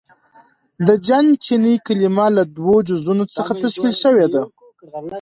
• د جن چیني کلمه له دوو جزونو څخه تشکیل شوې ده.